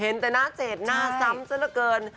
เห็นแต่หน้าเจดหน้าซ้ำซะละเกิน